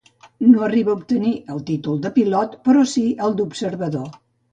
No arriba a obtenir el títol de pilot, però sí el d'observador.